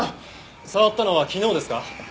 触ったのは昨日ですか？